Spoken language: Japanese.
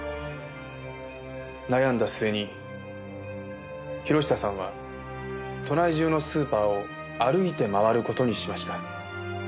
悩んだ末に博久さんは都内中のスーパーを歩いて回る事にしました。